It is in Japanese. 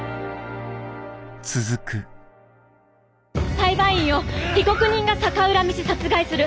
裁判員を被告人が逆恨みし殺害する。